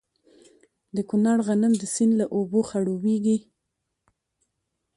د کونړ غنم د سیند له اوبو خړوبیږي.